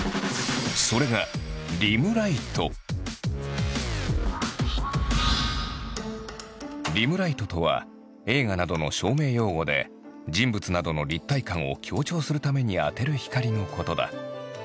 それが「リムライト」とは映画などの照明用語で人物などの立体感を強調するために当てる光のことだ。